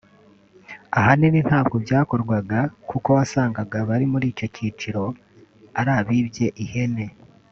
ahanini ntabwo byakorwaga kuko wasangaga abari muri icyo cyiciro ari abibye ihene